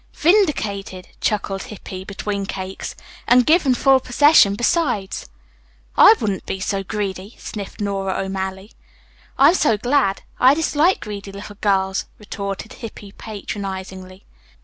"Vindicated," chuckled Hippy, between cakes, "and given full possession besides." "I wouldn't be so greedy," sniffed Nora O'Malley. "I'm so glad. I dislike greedy little girls," retorted Hippy patronizingly.